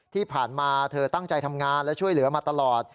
ที่ผ่านมาเธอตั้งใจทำงานและช่วยเหลือมาตลอด